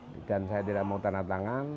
dan saya tidak mau tanda tangan